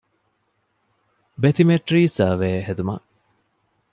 ބެތިމެޓްރީ ސަރވޭ ހެދުމަށް